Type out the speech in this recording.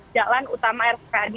jalan utama rspad